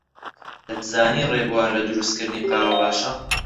دەتزانی ڕێبوار لە دروستکردنی قاوە باشە؟